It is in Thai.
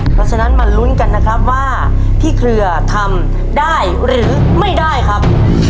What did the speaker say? เพราะฉะนั้นมาลุ้นกันนะครับว่าพี่เครือทำได้หรือไม่ได้ครับ